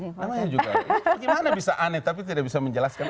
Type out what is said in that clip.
gimana bisa aneh tapi tidak bisa menjelaskan